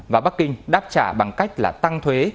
và bắc kinh đáp trả bằng cách là tăng thuế